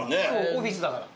オフィスだから。